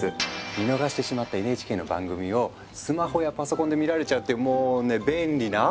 見逃してしまったＮＨＫの番組をスマホやパソコンで見られちゃうっていうもうね便利なアプリなんですよ！